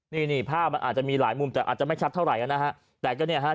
นี่นี่ภาพมันอาจจะมีหลายมุมแต่อาจจะไม่ชัดเท่าไหร่นะฮะแต่ก็เนี่ยฮะ